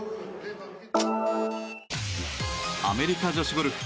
アメリカ女子ゴルフ。